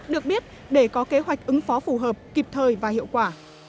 được biết để có kế hoạch ứng phó phù hợp kịp thời và hiệu quả